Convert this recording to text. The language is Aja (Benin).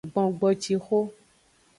Gbongboncixo.